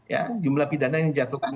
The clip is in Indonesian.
ya jumlah pidana yang dijatuhkan